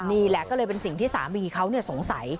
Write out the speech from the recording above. นี่แหละก็เลยเป็นสิ่งที่สามีเขาสงสัย